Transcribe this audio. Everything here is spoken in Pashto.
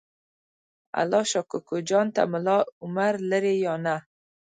الله شا کوکو جان ته ملا عمر لرې یا نه؟